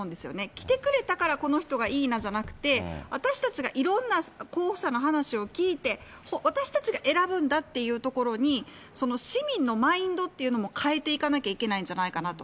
来てくれたからこの人がいいなじゃなくて、私たちがいろんな候補者の話を聞いて、私たちが選ぶんだというところに市民のマインドっていうのも変えていかなきゃいけないんじゃないかなと。